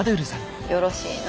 よろしいな。